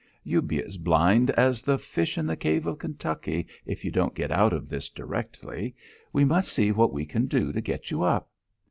You'll be as blind as the fish in the cave of Kentucky if you don't get out of this directly! We must see what we can do to get you up!"